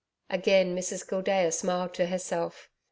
Again Mrs Gildea smiled to herself.